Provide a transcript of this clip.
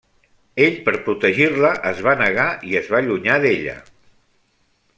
Ell per protegir-la es va negar i es va allunyar d'ella.